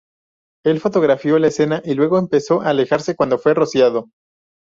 Él fotografió la escena y luego empezó a alejarse cuando fue rociado.